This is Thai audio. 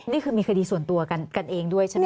นี่คือมีคดีส่วนตัวกันเองด้วยใช่ไหมค